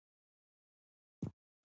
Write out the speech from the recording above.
سیاسي مشارکت د راتلونکي ضمانت دی